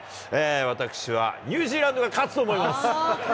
私はニュージーランドが勝つと思います。